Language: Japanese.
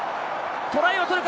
トライを取るか。